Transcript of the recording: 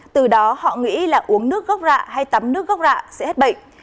từ đó họ nghĩ là uống nước gốc rạ hay tắm nước gốc rạ sẽ hết bệnh